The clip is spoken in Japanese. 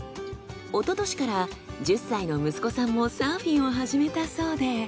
おととしから１０歳の息子さんもサーフィンを始めたそうで。